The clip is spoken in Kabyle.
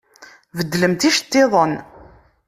Beddlemt iceṭṭiḍen!